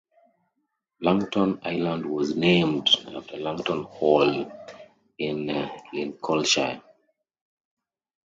Langton Island was named after Langton Hall in Lincolnshire.